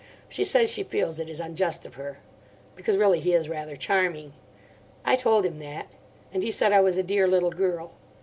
She says she feels it is unjust of her. Because really he is rather charming. I told him that. And he said I was a dear little girl.